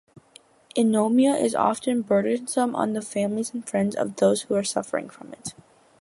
Anomia is often burdensome on the families and friends of those suffering from it.